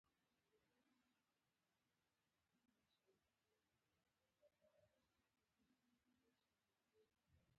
برخې باید یو له بل سره همغږي ولري.